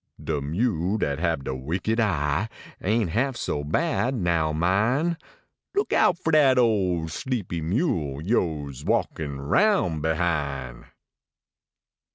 De mule dat hab de wicked eye Ain half so bad, now min Look out for dat old sleep} mule Vo s walkin rotin behin .